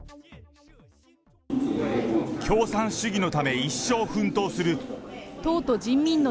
共産主義のため、一生奮闘する。